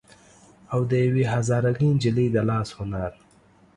او د يوې هزاره ګۍ نجلۍ د لاس هنر